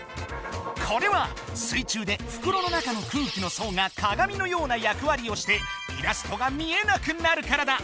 これは水中でふくろの中の空気のそうがかがみのようなやくわりをしてイラストが見えなくなるからだ。